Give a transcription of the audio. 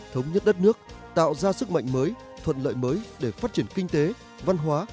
thống nhất đất nước tạo ra sức mạnh mới thuận lợi mới để phát triển kinh tế văn hóa